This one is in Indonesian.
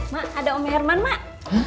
mak ada om herman mak